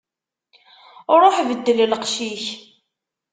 Ṛuḥ beddel lqecc-ik.